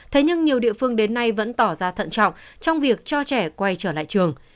thế nhưng nhiều địa phương đến nay vẫn tỏ ra thận trọng trong việc cho trẻ quay trở lại trường